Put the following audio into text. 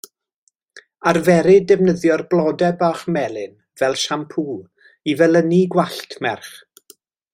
Arferid defnyddio'r blodau bach melyn fel siampŵ i felynu gwallt merch.